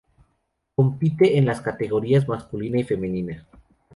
Compite en las categorías masculina y femenina.